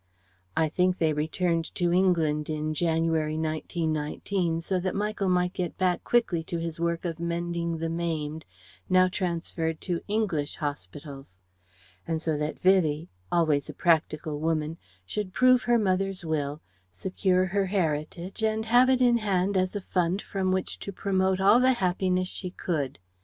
I think they returned to England in January, 1919, so that Michael might get back quickly to his work of mending the maimed, now transferred to English hospitals; and so that Vivie always a practical woman should prove her mother's will, secure her heritage and have it in hand as a fund from which to promote all the happiness she could.